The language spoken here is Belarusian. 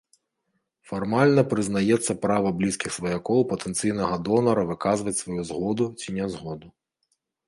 Фармальна прызнаецца права блізкіх сваякоў патэнцыйнага донара выказваць сваю згоду ці нязгоду.